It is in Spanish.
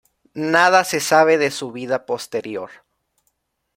Nada se sabe de su vida posterior.